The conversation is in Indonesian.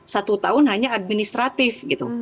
satu tahun hanya administratif